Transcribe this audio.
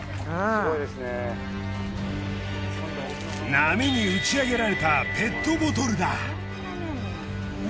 波に打ち上げられたペットボトルだ。ね。